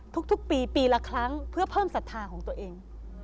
ทุกปีปีละครั้งเพื่อเพิ่มศรัทธาของตัวเอง